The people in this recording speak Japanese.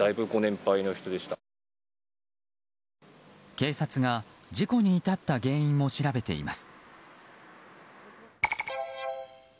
警察が事故に至った原因を調べています。